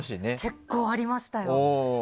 結構ありましたよ。